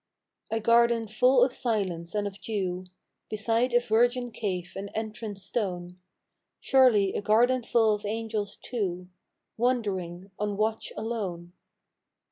A garden full of silence and of dew, Beside a virgin cave and entrance stone : Surely a garden full of Angels too, Wondering, on watch alone.